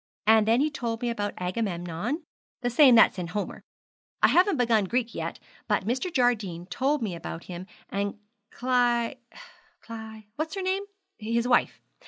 And then he told me about Agamemnon, the same that's in Homer. I haven't begun Greek yet, but Mr. Jardine told me about him and Cly Cly what's her name? his wife.